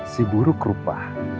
si buruk rupa